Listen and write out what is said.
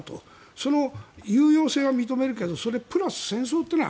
その有用性は認めるけどそれプラス戦争というのは